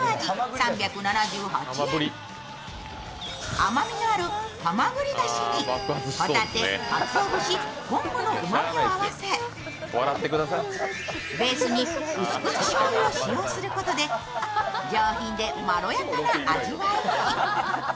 甘みのあるはまぐりだしに、ほたて、かつおぶし、昆布のうまみを合わせ、ベースにうす口しょうゆを使用することで上品でまろやかな味わいに。